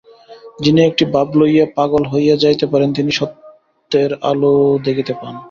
যিনি একটি ভাব লইয়া পাগল হইয়া যাইতে পারেন, তিনিই সত্যের আলো দেখিতে পান।